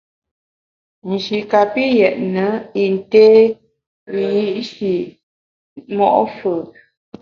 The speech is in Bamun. Nji kapi yètne yin té wiyi’shi mo’ fù’.